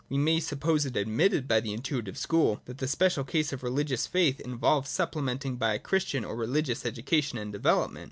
We may suppose it admitted by the intuitive school, that the special case of religious faith involves supplementing by a Christian or religious education and development.